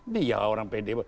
dia orang pede